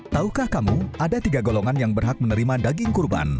tahukah kamu ada tiga golongan yang berhak menerima daging kurban